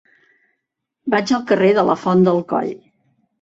Vaig al carrer de la Font del Coll.